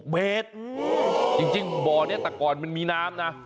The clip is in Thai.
เมตรจริงบ่อนี้แต่ก่อนมันมีน้ำนะ